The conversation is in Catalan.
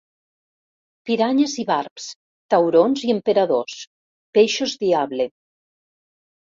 Piranyes i barbs, taurons i emperadors, peixos diable.